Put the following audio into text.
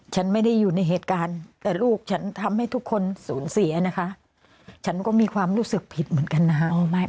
ฉันไม่ได้อยู่ในเหตุการณ์แต่ลูกฉันทำให้ทุกคนสูญเสียนะคะฉันก็มีความรู้สึกผิดเหมือนกันนะฮะ